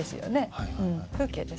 風景です。